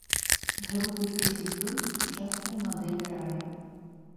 Групе прэзентуюць сучасную мадэль раю.